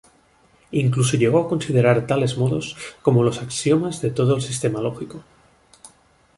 Incluso llegó a considerar tales modos como los axiomas de todo el sistema lógico.